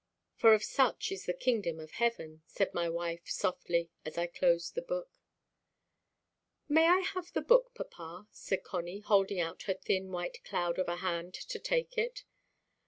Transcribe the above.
_" "For of such is the kingdom of heaven." said my wife softly, as I closed the book. "May I have the book, papa?" said Connie, holding out her thin white cloud of a hand to take it.